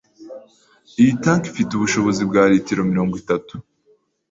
Iyi tank ifite ubushobozi bwa litiro mirongo itatu.